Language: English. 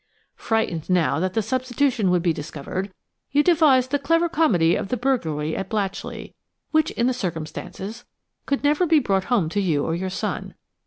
Frightened now that the substitution would be discovered, you devised the clever comedy of the burglary at Blatchley, which, in the circumstances, could never be brought home to you or your son.